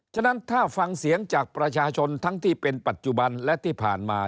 ฉะนั้นถ้าฟังเสียงจากประชาชนทั้งที่เป็นปัจจุบันและที่ผ่านมา